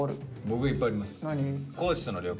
僕いっぱいあります。